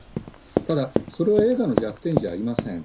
ただ、それは映画の弱点じゃありません。